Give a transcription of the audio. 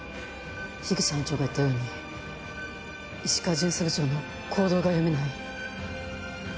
口班長が言ったように石川巡査部長の行動が読めない。